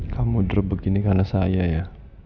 kamu derp begini karena saya ya